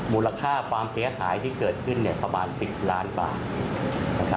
มูลค่าความเสียหายที่เกิดขึ้นประมาณ๑๐ล้านบาท